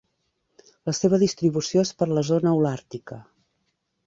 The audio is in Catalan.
La seva distribució és per la zona holàrtica.